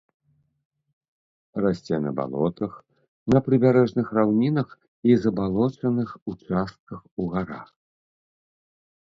Расце на балотах, на прыбярэжных раўнінах і забалочаных участках у гарах.